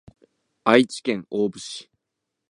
愛知県大府市